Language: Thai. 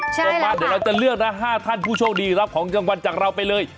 ส่งมาเดี๋ยวเราจะเลือกนะ๕ท่านผู้โชคดีรับของรางวัลจากเราไปเลย